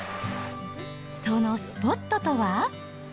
そのスポットとは。